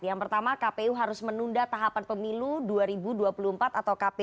yang pertama kpu harus menunda tahapan pemilu dua ribu dua puluh empat atau kpu